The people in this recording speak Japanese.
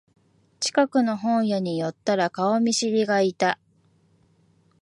近くの本屋に寄ったら顔見知りがいた